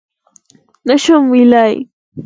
_نه شم ويلای.